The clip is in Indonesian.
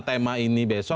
tema ini besok